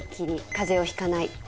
風邪をひかない。